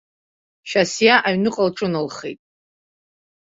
Шьасиа аҩныҟа лҿыналхеит.